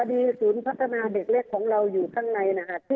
ศูนย์พัฒนาเด็กเล็กของเราอยู่ข้างในนะคะ